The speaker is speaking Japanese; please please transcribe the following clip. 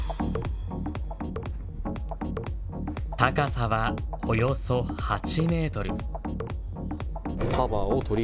高さはおよそ８メートル。